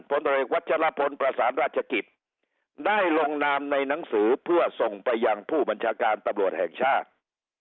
ผลตรวจวัชลพลประสานราชกิจได้ลงนามในหนังสือเพื่อส่งไปยังผู้บัญชาการตำรวจแห่งชาติ